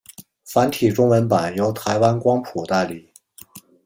繁体中文版由台湾光谱代理。